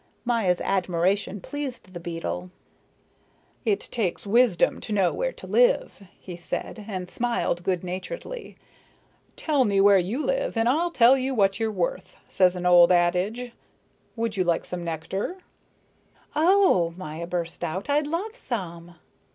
Maya's admiration pleased the beetle. "It takes wisdom to know where to live," he said, and smiled good naturedly. "'Tell me where you live and I'll tell you what you're worth,' says an old adage. Would you like some nectar?" "Oh," Maya burst out, "I'd love some."